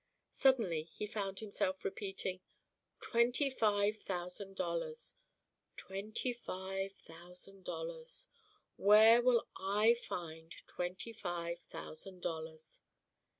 Suddenly he found himself repeating, "Twenty five thousand dollars, twenty five thousand dollars where will I find twenty five thousand dollars?"